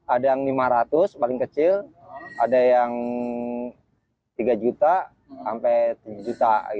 ada yang lima ratus paling kecil ada yang tiga juta sampai tujuh juta